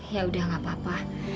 ya udah gak apa apa